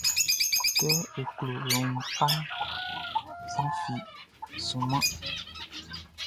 Kɛ e klo e wun kpaʼn, sran fi sunman.